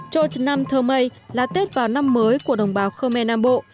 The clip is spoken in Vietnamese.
châu trần nam thơ mây là tết vào năm mới của đồng bào khmer nam bộ